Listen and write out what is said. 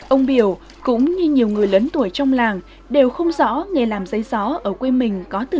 ông biểu cũng như nhiều người lớn tuổi trong làng đều không rõ nghề làm giấy gió ở quê mình có từ